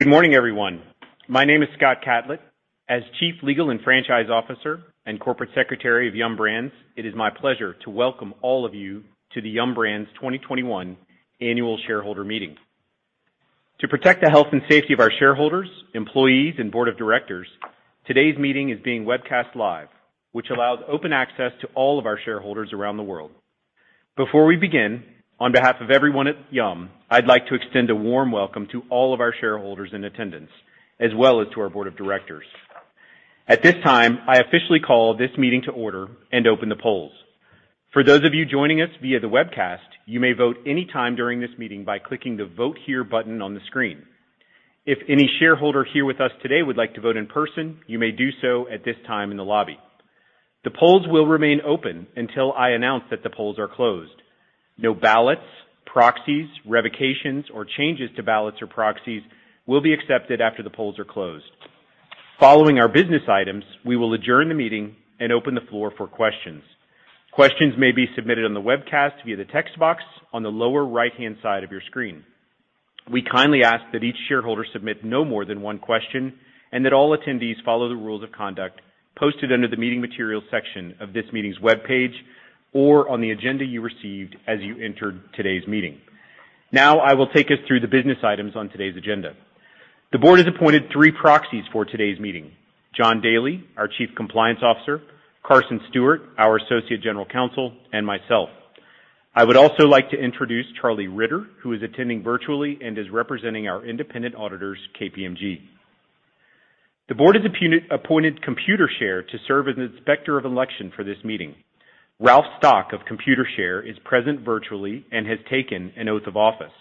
Good morning, everyone. My name is Scott Catlett. As Chief Legal & Franchise Officer and Corporate Secretary of Yum! Brands, it is my pleasure to welcome all of you to the Yum! Brands 2021 Annual Shareholder Meeting. To protect the health and safety of our shareholders, employees, and board of directors, today's meeting is being webcast live, which allows open access to all of our shareholders around the world. Before we begin, on behalf of everyone at Yum!, I'd like to extend a warm welcome to all of our shareholders in attendance, as well as to our Board of Directors. At this time, I officially call this meeting to order and open the polls. For those of you joining us via the webcast, you may vote any time during this meeting by clicking the Vote Here button on the screen. If any shareholder here with us today would like to vote in person, you may do so at this time in the lobby. The polls will remain open until I announce that the polls are closed. No ballots, proxies, revocations, or changes to ballots or proxies will be accepted after the polls are closed. Following our business items, we will adjourn the meeting and open the floor for questions. Questions may be submitted on the webcast via the text box on the lower right-hand side of your screen. We kindly ask that each shareholder submit no more than one question, and that all attendees follow the rules of conduct posted under the Meeting Materials section of this meeting's webpage or on the agenda you received as you entered today's meeting. Now, I will take us through the business items on today's agenda. The Board has appointed three proxies for today's meeting: John Daly, our Chief Compliance Officer, Carson Stewart, our Associate General Counsel, and myself. I would also like to introduce Charlie Ritter, who is attending virtually and is representing our independent auditors, KPMG. The Board has appointed Computershare to serve as Inspector of Election for this meeting. Ralph Stock of Computershare is present virtually and has taken an oath of office.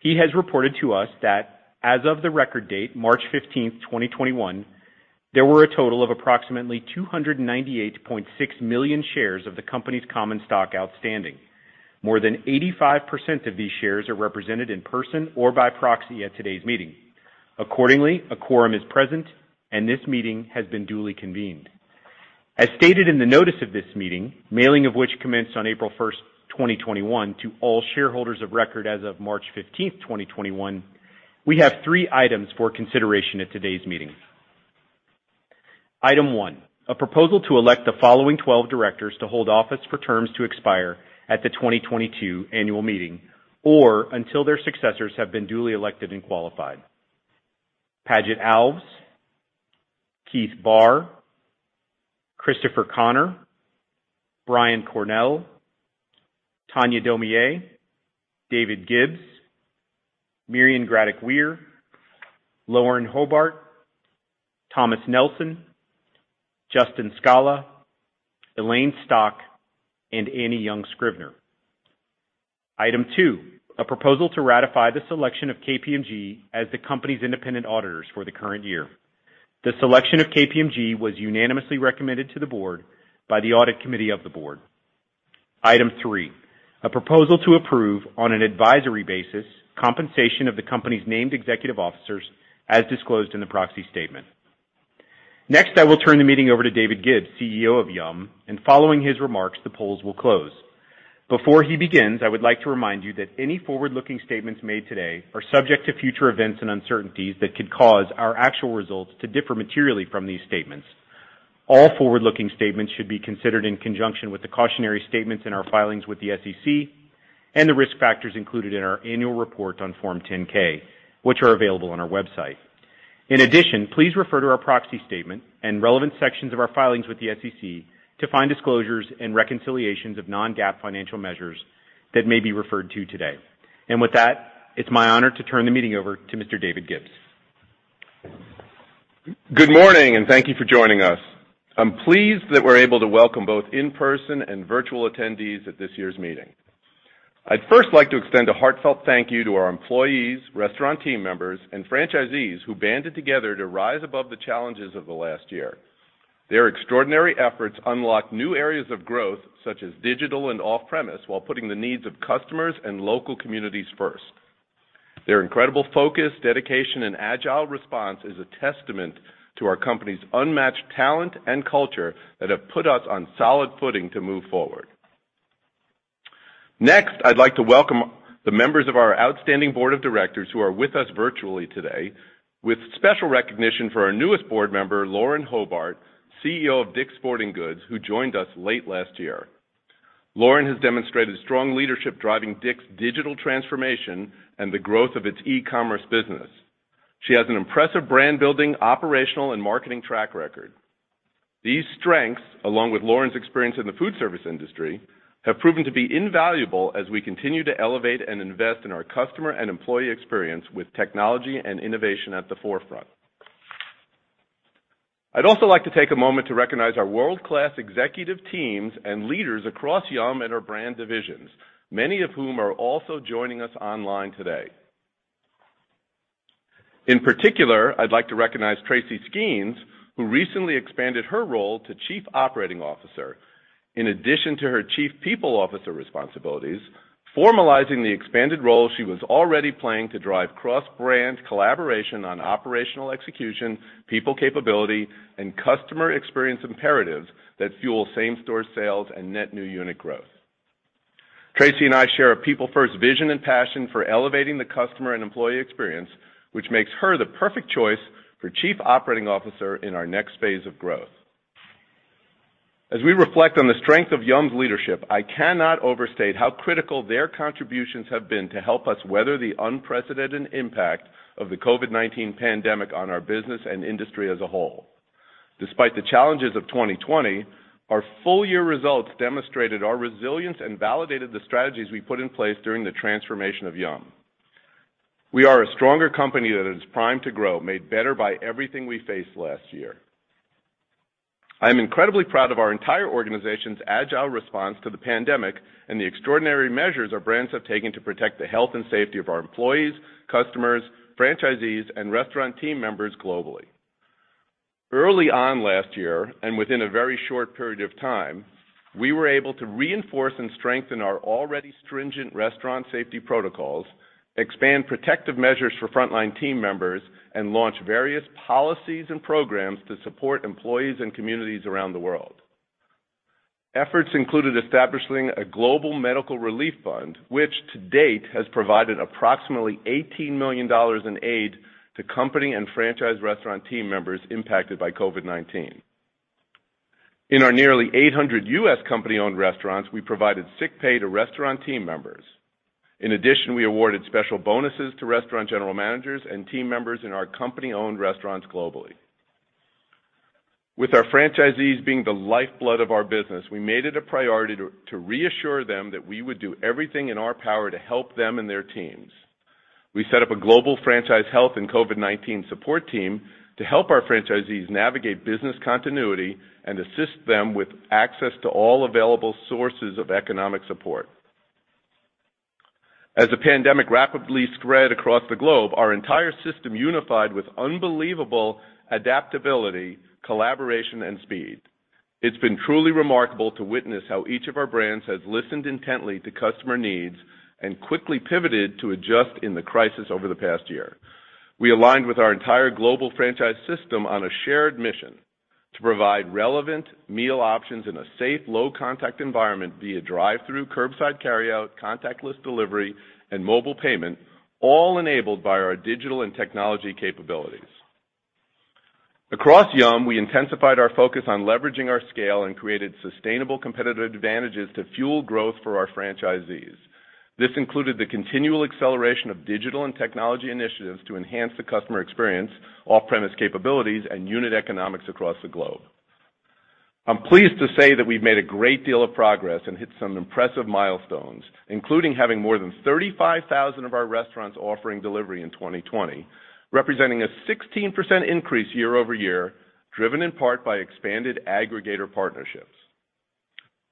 He has reported to us that as of the record date, March 15, 2021, there were a total of approximately 298.6 million shares of the company's common stock outstanding. More than 85% of these shares are represented in person or by proxy at today's meeting. Accordingly, a quorum is present, and this meeting has been duly convened. As stated in the Notice of this meeting, mailing of which commenced on April 1st, 2021 to all shareholders of record as of March 15th, 2021, we have three items for consideration at today's meeting. Item 1, a proposal to elect the following 12 directors to hold office for terms to expire at the 2022 annual meeting or until their successors have been duly elected and qualified: Paget Alves, Keith Barr, Christopher Connor, Brian Cornell, Tanya Domier, David Gibbs, Miria Graddick-Weir, Lauren Hobart, Thomas Nelson, Justin Skala, Elane Stock, and Annie Young-Scrivner. Item 2, a proposal to ratify the selection of KPMG as the company's independent auditors for the current year. The selection of KPMG was unanimously recommended to the Board by the Audit Committee of the Board. Item 3, a proposal to approve, on an advisory basis, compensation of the company's named executive officers as disclosed in the proxy statement. Next, I will turn the meeting over to David Gibbs, CEO of Yum!, and following his remarks, the polls will close. Before he begins, I would like to remind you that any forward-looking statements made today are subject to future events and uncertainties that could cause our actual results to differ materially from these statements. All forward-looking statements should be considered in conjunction with the cautionary statements in our filings with the SEC and the risk factors included in our annual report on Form 10-K, which are available on our website. In addition, please refer to our proxy statement and relevant sections of our filings with the SEC to find disclosures and reconciliations of non-GAAP financial measures that may be referred to today. With that, it's my honor to turn the meeting over to Mr. David Gibbs. Good morning, thank you for joining us. I'm pleased that we're able to welcome both in-person and virtual attendees at this year's meeting. I'd first like to extend a heartfelt thank you to our employees, restaurant team members, and franchisees who banded together to rise above the challenges of the last year. Their extraordinary efforts unlocked new areas of growth, such as digital and off-premise, while putting the needs of customers and local communities first. Their incredible focus, dedication, and agile response is a testament to our company's unmatched talent and culture that have put us on solid footing to move forward. Next, I'd like to welcome the members of our outstanding Board of Directors who are with us virtually today, with special recognition for our newest Board member, Lauren Hobart, CEO of DICK'S Sporting Goods, who joined us late last year. Lauren has demonstrated strong leadership driving DICK'S digital transformation and the growth of its e-commerce business. She has an impressive brand-building, operational, and marketing track record. These strengths, along with Lauren's experience in the food service industry, have proven to be invaluable as we continue to elevate and invest in our customer and employee experience with technology and innovation at the forefront. I'd also like to take a moment to recognize our world-class executive teams and leaders across Yum! and our brand divisions, many of whom are also joining us online today. In particular, I'd like to recognize Tracy Skeans, who recently expanded her role to Chief Operating Officer. In addition to her Chief People Officer responsibilities, formalizing the expanded role she was already playing to drive cross-brand collaboration on operational execution, people capability, and customer experience imperatives that fuel same-store sales and net new unit growth. Tracy Skeans and I share a people-first vision and passion for elevating the customer and employee experience, which makes her the perfect choice for Chief Operating Officer in our next phase of growth. As we reflect on the strength of Yum!'s leadership, I cannot overstate how critical their contributions have been to help us weather the unprecedented impact of the COVID-19 pandemic on our business and industry as a whole. Despite the challenges of 2020, our full-year results demonstrated our resilience and validated the strategies we put in place during the transformation of Yum!. We are a stronger company that is primed to grow, made better by everything we faced last year. I am incredibly proud of our entire organization's agile response to the pandemic and the extraordinary measures our brands have taken to protect the health and safety of our employees, customers, franchisees, and restaurant team members globally. Early on last year, and within a very short period of time, we were able to reinforce and strengthen our already stringent restaurant safety protocols, expand protective measures for frontline team members, and launch various policies and programs to support employees and communities around the world. Efforts included establishing a global medical relief fund, which to date has provided approximately $18 million in aid to company and franchise restaurant team members impacted by COVID-19. In our nearly 800 U.S. company-owned restaurants, we provided sick pay to restaurant team members. In addition, we awarded special bonuses to restaurant general managers and team members in our company-owned restaurants globally. With our franchisees being the lifeblood of our business, we made it a priority to reassure them that we would do everything in our power to help them and their teams. We set up a global franchise health and COVID-19 support team to help our franchisees navigate business continuity and assist them with access to all available sources of economic support. As the pandemic rapidly spread across the globe, our entire system unified with unbelievable adaptability, collaboration, and speed. It's been truly remarkable to witness how each of our brands has listened intently to customer needs and quickly pivoted to adjust in the crisis over the past year. We aligned with our entire global franchise system on a shared mission to provide relevant meal options in a safe, low-contact environment via drive-through, curbside carry-out, contactless delivery, and mobile payment, all enabled by our digital and technology capabilities. Across Yum!, we intensified our focus on leveraging our scale and created sustainable competitive advantages to fuel growth for our franchisees. This included the continual acceleration of digital and technology initiatives to enhance the customer experience, off-premise capabilities, and unit economics across the globe. I'm pleased to say that we've made a great deal of progress and hit some impressive milestones, including having more than 35,000 of our restaurants offering delivery in 2020, representing a 16% increase year-over-year, driven in part by expanded aggregator partnerships.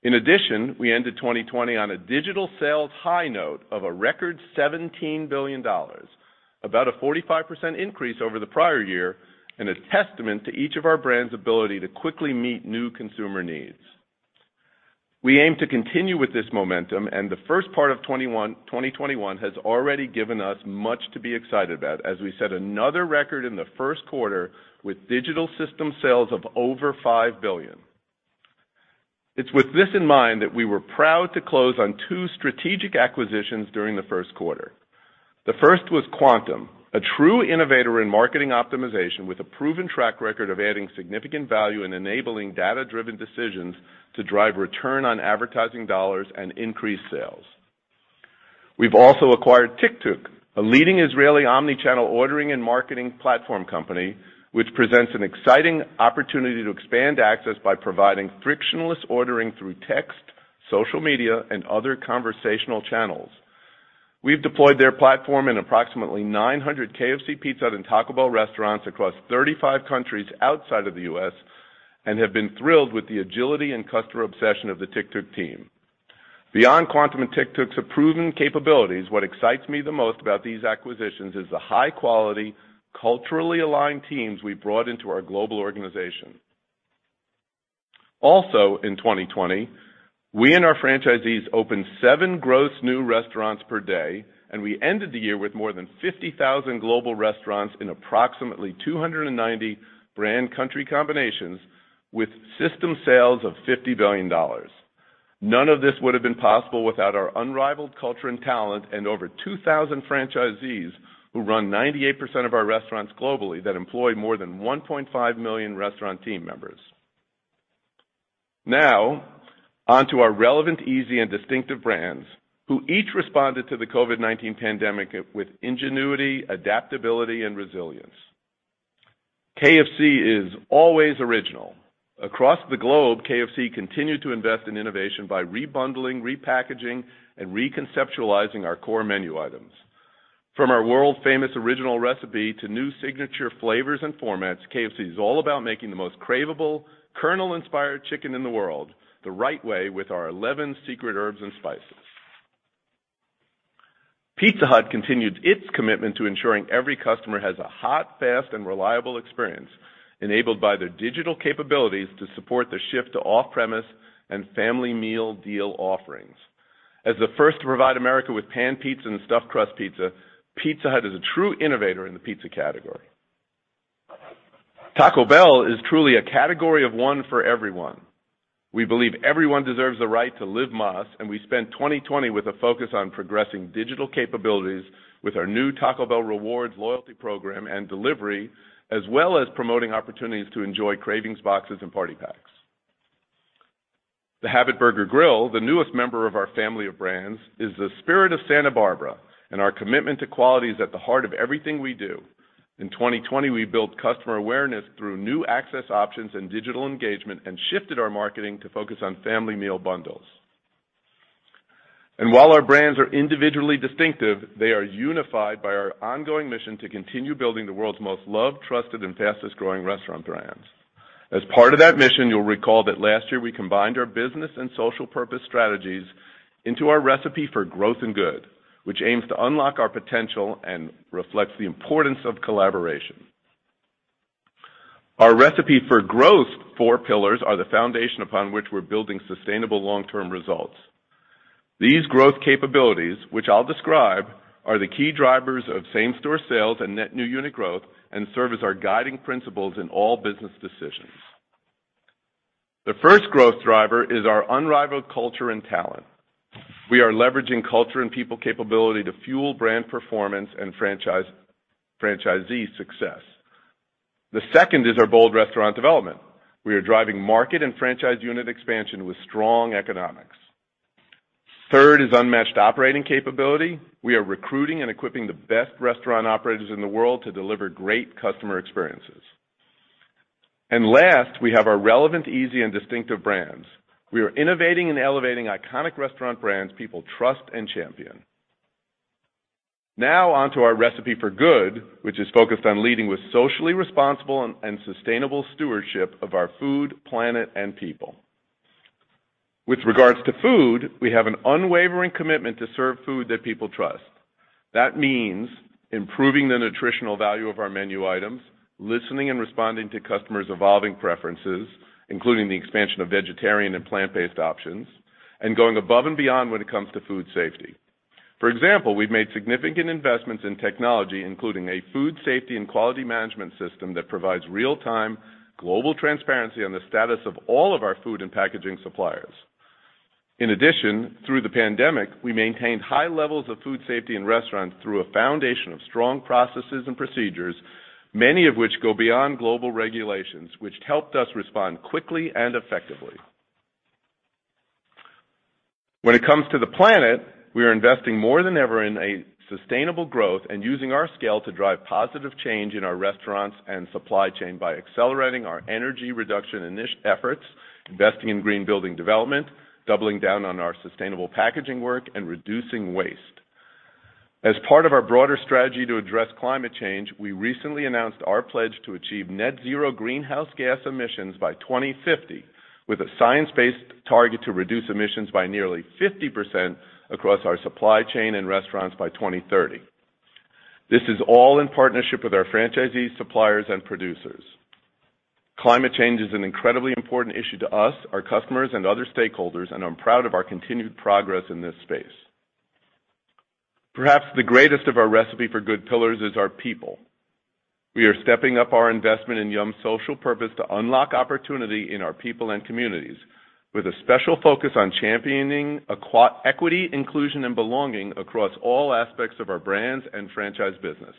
In addition, we ended 2020 on a digital sales high note of a record $17 billion, about a 45% increase over the prior year, and a testament to each of our brands' ability to quickly meet new consumer needs. We aim to continue with this momentum, and the first part of 2021 has already given us much to be excited about as we set another record in the first quarter with digital system sales of over $5 billion. It's with this in mind that we were proud to close on two strategic acquisitions during the first quarter. The first was Kvantum, a true innovator in marketing optimization with a proven track record of adding significant value and enabling data-driven decisions to drive return on advertising dollars and increase sales. We've also acquired Tictuk, a leading Israeli omnichannel ordering and marketing platform company, which presents an exciting opportunity to expand access by providing frictionless ordering through text, social media, and other conversational channels. We've deployed their platform in approximately 900 KFC, Pizza Hut, and Taco Bell restaurants across 35 countries outside of the U.S. and have been thrilled with the agility and customer obsession of the Tictuk team. Beyond Kvantum and Tictuk's proven capabilities, what excites me the most about these acquisitions is the high-quality, culturally aligned teams we brought into our global organization. In 2020, we and our franchisees opened seven gross new restaurants per day, and we ended the year with more than 50,000 global restaurants in approximately 290 brand country combinations with system sales of $50 billion. None of this would've been possible without our unrivaled culture and talent and over 2,000 franchisees who run 98% of our restaurants globally that employ more than 1.5 million restaurant team members. Now on to our relevant, easy, and distinctive brands, who each responded to the COVID-19 pandemic with ingenuity, adaptability, and resilience. KFC is always original. Across the globe, KFC continued to invest in innovation by rebundling, repackaging, and reconceptualizing our core menu items. From our world-famous Original Recipe to new signature flavors and formats, KFC is all about making the most craveable, Colonel-inspired chicken in the world the right way with our 11 secret herbs and spices. Pizza Hut continued its commitment to ensuring every customer has a hot, fast, and reliable experience enabled by their digital capabilities to support the shift to off-premise and family meal deal offerings. As the first to provide America with pan pizza and stuffed crust pizza, Pizza Hut is a true innovator in the pizza category. Taco Bell is truly a category of one for everyone. We believe everyone deserves the right to Live Más. We spent 2020 with a focus on progressing digital capabilities with our new Taco Bell Rewards loyalty program and delivery, as well as promoting opportunities to enjoy cravings boxes and party packs. The Habit Burger Grill, the newest member of our family of brands, is the spirit of Santa Barbara. Our commitment to quality is at the heart of everything we do. In 2020, we built customer awareness through new access options and digital engagement and shifted our marketing to focus on family meal bundles. While our brands are individually distinctive, they are unified by our ongoing mission to continue building the world's most loved, trusted, and fastest-growing restaurant brands. As part of that mission, you'll recall that last year we combined our business and social purpose strategies into our Recipe for Growth and Good, which aims to unlock our potential and reflects the importance of collaboration. Our Recipe for Growth four pillars are the foundation upon which we're building sustainable long-term results. These growth capabilities, which I'll describe, are the key drivers of same-store sales and net new unit growth and serve as our guiding principles in all business decisions. The first growth driver is our unrivaled culture and talent. We are leveraging culture and people capability to fuel brand performance and franchisee success. The second is our bold restaurant development. We are driving market and franchise unit expansion with strong economics. Third is unmatched operating capability. We are recruiting and equipping the best restaurant operators in the world to deliver great customer experiences. Last, we have our relevant, easy, and distinctive brands. We are innovating and elevating iconic restaurant brands people trust and champion. Now on to our recipe for good, which is focused on leading with socially responsible and sustainable stewardship of our food, planet, and people. With regards to food, we have an unwavering commitment to serve food that people trust. That means improving the nutritional value of our menu items, listening and responding to customers' evolving preferences, including the expansion of vegetarian and plant-based options, and going above and beyond when it comes to food safety. For example, we've made significant investments in technology, including a food safety and quality management system that provides real-time global transparency on the status of all of our food and packaging suppliers. In addition, through the pandemic, we maintained high levels of food safety in restaurants through a foundation of strong processes and procedures, many of which go beyond global regulations, which helped us respond quickly and effectively. When it comes to the planet, we are investing more than ever in a sustainable growth and using our scale to drive positive change in our restaurants and supply chain by accelerating our energy reduction efforts, investing in green building development, doubling down on our sustainable packaging work, and reducing waste. As part of our broader strategy to address climate change, we recently announced our pledge to achieve net zero greenhouse gas emissions by 2050 with a science-based target to reduce emissions by nearly 50% across our supply chain and restaurants by 2030. This is all in partnership with our franchisees, suppliers, and producers. Climate change is an incredibly important issue to us, our customers, and other stakeholders, and I'm proud of our continued progress in this space. Perhaps the greatest of our recipe for good pillars is our people. We are stepping up our investment in Yum!'s social purpose to unlock opportunity in our people and communities, with a special focus on championing equity, inclusion, and belonging across all aspects of our brands and franchise business.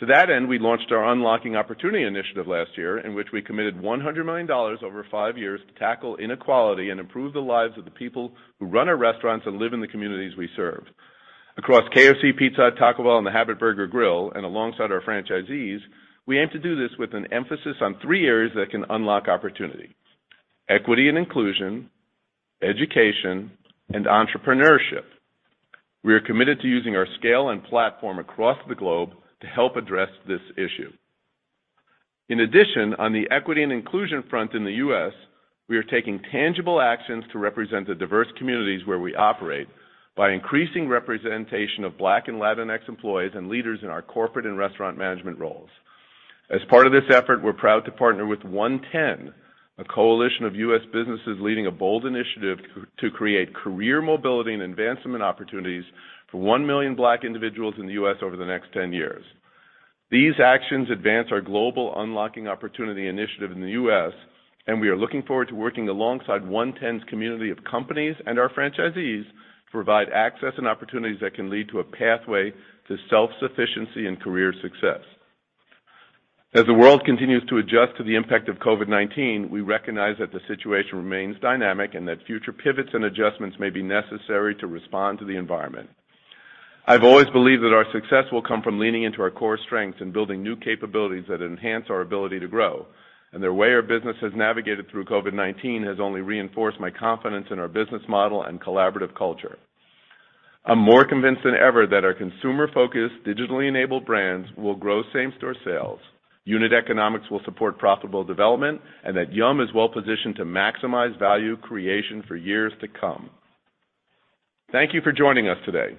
To that end, we launched our Unlocking Opportunity Initiative last year, in which we committed $100 million over five years to tackle inequality and improve the lives of the people who run our restaurants and live in the communities we serve. Across KFC, Pizza Hut, Taco Bell, and The Habit Burger Grill, and alongside our franchisees, we aim to do this with an emphasis on three areas that can unlock opportunity: equity and inclusion, education, and entrepreneurship. We are committed to using our scale and platform across the globe to help address this issue. In addition, on the equity and inclusion front in the U.S., we are taking tangible actions to represent the diverse communities where we operate by increasing representation of Black and Latinx employees and leaders in our corporate and restaurant management roles. As part of this effort, we're proud to partner with OneTen, a coalition of U.S. businesses leading a bold initiative to create career mobility and advancement opportunities for 1 million Black individuals in the U.S. over the next 10 years. These actions advance our global Unlocking Opportunity Initiative in the U.S., and we are looking forward to working alongside OneTen's community of companies and our franchisees to provide access and opportunities that can lead to a pathway to self-sufficiency and career success. As the world continues to adjust to the impact of COVID-19, we recognize that the situation remains dynamic and that future pivots and adjustments may be necessary to respond to the environment. I've always believed that our success will come from leaning into our core strengths and building new capabilities that enhance our ability to grow, and the way our business has navigated through COVID-19 has only reinforced my confidence in our business model and collaborative culture. I'm more convinced than ever that our consumer-focused, digitally enabled brands will grow same-store sales, unit economics will support profitable development, and that Yum! is well positioned to maximize value creation for years to come. Thank you for joining us today.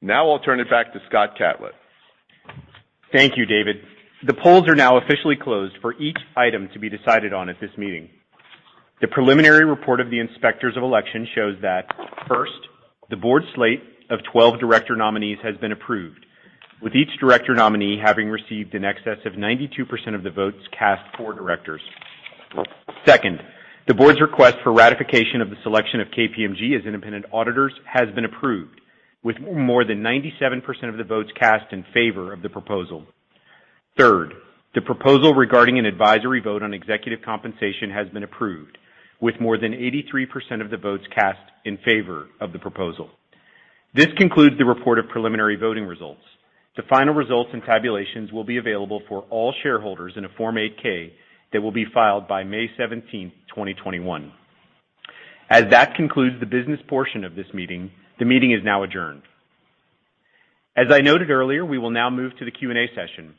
Now I'll turn it back to Scott Catlett. Thank you, David. The polls are now officially closed for each item to be decided on at this meeting. The preliminary report of the inspectors of election shows that first, the Board slate of 12 director nominees has been approved, with each director nominee having received in excess of 92% of the votes cast for directors. Second, the Board's request for ratification of the selection of KPMG as independent auditors has been approved, with more than 97% of the votes cast in favor of the proposal. Third, the proposal regarding an advisory vote on executive compensation has been approved, with more than 83% of the votes cast in favor of the proposal. This concludes the report of preliminary voting results. The final results and tabulations will be available for all shareholders in a Form 8-K that will be filed by May 17th, 2021. As that concludes the business portion of this meeting, the meeting is now adjourned. As I noted earlier, we will now move to the Q&A session.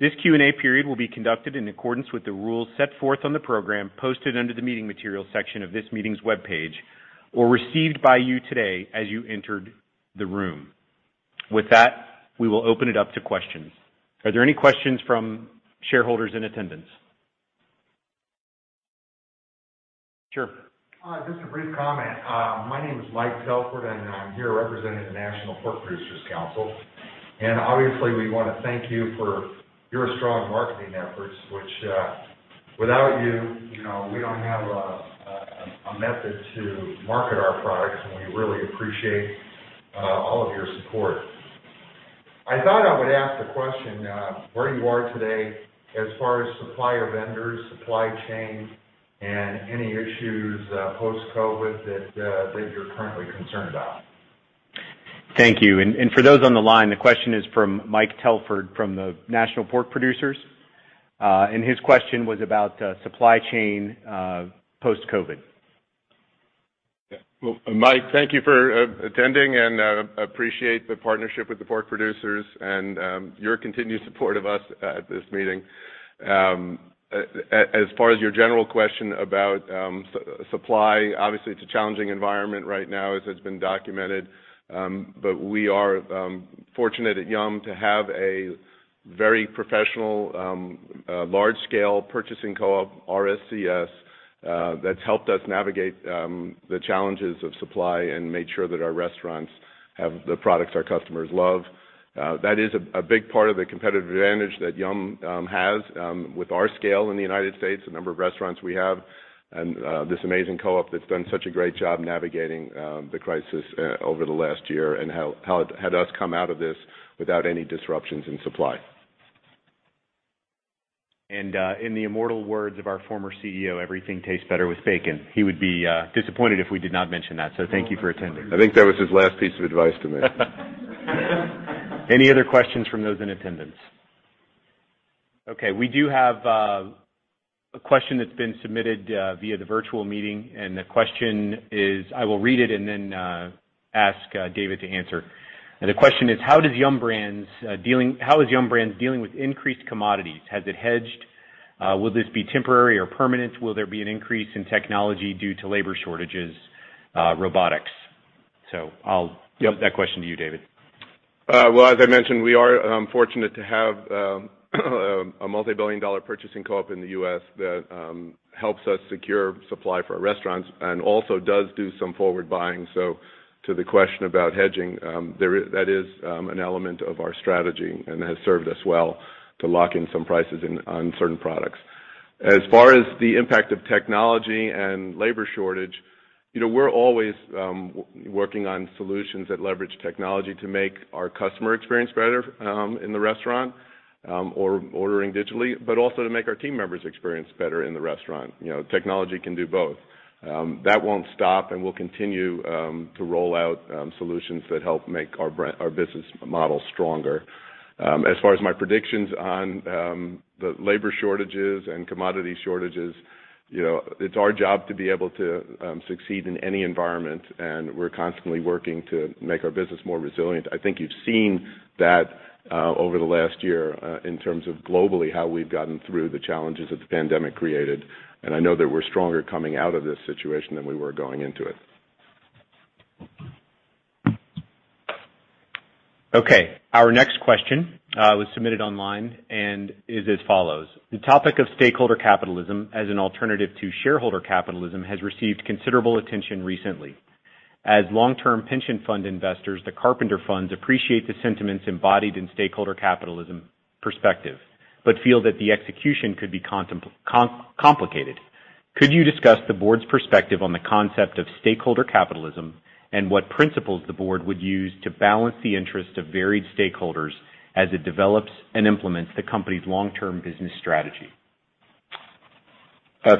This Q&A period will be conducted in accordance with the rules set forth on the program posted under the meeting materials section of this meeting's webpage, or received by you today as you entered the room. With that, we will open it up to questions. Are there any questions from shareholders in attendance? Sure. Just a brief comment. My name is Mike Telford, and I'm here representing the National Pork Producers Council. Obviously, we want to thank you for your strong marketing efforts, which without you, we don't have a method to market our products, and we really appreciate all of your support. I thought I would ask the question, where you are today as far as supplier vendors, supply chain, and any issues post-COVID that you're currently concerned about. Thank you. For those on the line, the question is from Mike Telford from the National Pork Producers. His question was about supply chain post-COVID. Mike, thank you for attending, and appreciate the partnership with the Pork Producers and your continued support of us at this meeting. As far as your general question about supply, obviously, it's a challenging environment right now as has been documented. We are fortunate at Yum! to have a very professional large-scale purchasing co-op, RSCS, that's helped us navigate the challenges of supply and made sure that our restaurants have the products our customers love. That is a big part of the competitive advantage that Yum! has with our scale in the U.S., the number of restaurants we have, and this amazing co-op that's done such a great job navigating the crisis over the last year and had us come out of this without any disruptions in supply. In the immortal words of our former CEO, everything tastes better with bacon. He would be disappointed if we did not mention that, thank you for attending. I think that was his last piece of advice to me. Any other questions from those in attendance? We do have a question that's been submitted via the virtual meeting, the question is, I will read it then ask David to answer. The question is, how is Yum! Brands dealing with increased commodities? Has it hedged? Will this be temporary or permanent? Will there be an increase in technology due to labor shortages, robotics? I'll give that question to you, David. Well, as I mentioned, we are fortunate to have a multi-billion-dollar purchasing co-op in the U.S. that helps us secure supply for our restaurants and also does do some forward buying. To the question about hedging, that is an element of our strategy and has served us well to lock in some prices on certain products. As far as the impact of technology and labor shortage, we're always working on solutions that leverage technology to make our customer experience better in the restaurant or ordering digitally, but also to make our team members' experience better in the restaurant. Technology can do both. That won't stop, and we'll continue to roll out solutions that help make our business model stronger. As far as my predictions on the labor shortages and commodity shortages, it's our job to be able to succeed in any environment, and we're constantly working to make our business more resilient. I think you've seen that over the last year in terms of globally how we've gotten through the challenges that the pandemic created, and I know that we're stronger coming out of this situation than we were going into it. Okay. Our next question was submitted online and is as follows. The topic of stakeholder capitalism as an alternative to shareholder capitalism has received considerable attention recently. As long-term pension fund investors, the Carpenter Funds appreciate the sentiments embodied in stakeholder capitalism perspective, but feel that the execution could be complicated. Could you discuss the Board's perspective on the concept of stakeholder capitalism and what principles the Board would use to balance the interest of varied stakeholders as it develops and implements the company's long-term business strategy?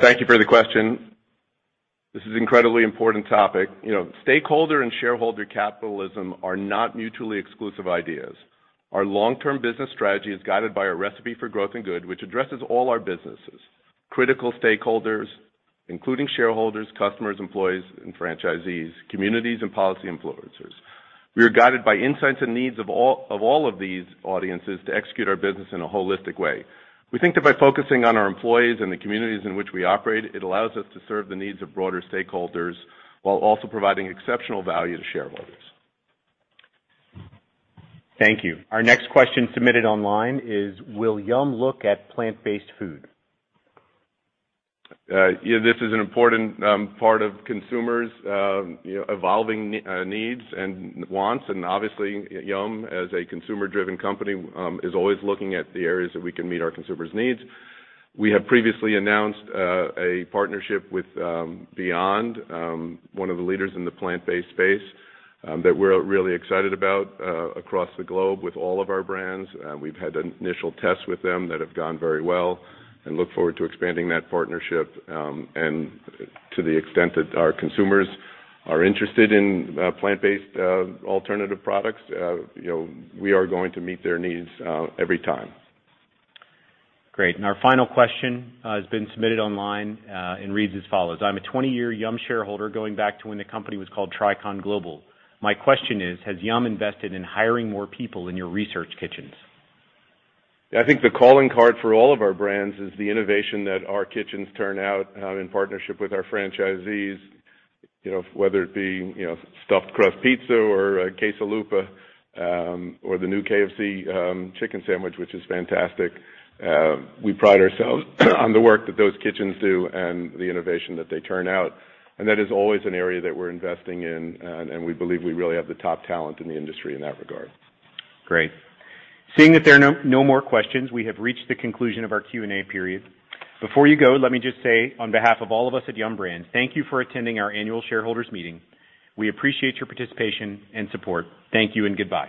Thank you for the question. This is incredibly important topic. Stakeholder and shareholder capitalism are not mutually exclusive ideas. Our long-term business strategy is guided by a recipe for growth and good, which addresses all our businesses, critical stakeholders, including shareholders, customers, employees and franchisees, communities, and policy influencers. We are guided by insights and needs of all of these audiences to execute our business in a holistic way. We think that by focusing on our employees and the communities in which we operate, it allows us to serve the needs of broader stakeholders while also providing exceptional value to shareholders. Thank you. Our next question submitted online is, will Yum! look at plant-based food? This is an important part of consumers' evolving needs and wants. Obviously, Yum! as a consumer-driven company, is always looking at the areas that we can meet our consumers' needs. We have previously announced a partnership with Beyond, one of the leaders in the plant-based space, that we're really excited about across the globe with all of our brands. We've had initial tests with them that have gone very well and look forward to expanding that partnership, and to the extent that our consumers are interested in plant-based alternative products, we are going to meet their needs every time. Our final question has been submitted online and reads as follows. I'm a 20-year Yum! shareholder going back to when the company was called Tricon Global. My question is, has Yum! invested in hiring more people in your research kitchens? I think the calling card for all of our brands is the innovation that our kitchens turn out in partnership with our franchisees. Whether it be stuffed crust pizza or Quesalupa, or the new KFC chicken sandwich, which is fantastic. We pride ourselves on the work that those kitchens do and the innovation that they turn out, and that is always an area that we're investing in, and we believe we really have the top talent in the industry in that regard. Great. Seeing that there are no more questions, we have reached the conclusion of our Q&A period. Before you go, let me just say on behalf of all of us at Yum! Brands, thank you for attending our annual shareholders meeting. We appreciate your participation and support. Thank you and goodbye.